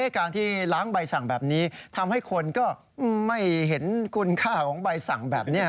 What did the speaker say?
การที่ล้างใบสั่งแบบนี้ทำให้คนก็ไม่เห็นคุณค่าของใบสั่งแบบนี้